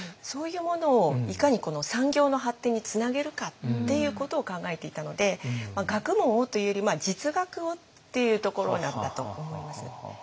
そういうものをいかに産業の発展につなげるかっていうことを考えていたので学問をというより実学をっていうところだったと思います。